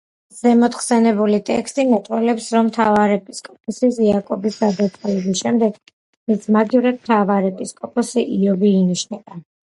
ზემოდხსენებული ტექსტი მეტყველებს რომ მთავარეპისკოპოს იაკობის გარდაცვალების შემდეგ მის მაგივრად მთავარეპისკოპოსი იობი ინიშნება.